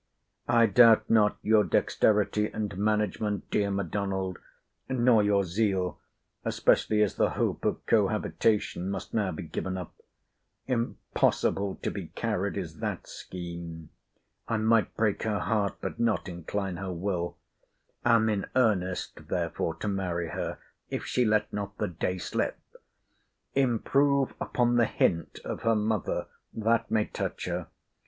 I doubt not your dexterity and management, dear M'Donald; nor your zeal; especially as the hope of cohabitation must now be given up. Impossible to be carried is that scheme. I might break her heart, but not incline her will—am in earnest therefore to marry her, if she let not the day slip. Improve upon the hint of her mother. That may touch her.